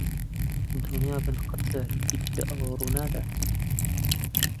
دڵنیابن قەت جارێکی دیکە ئەوە ڕوونادات.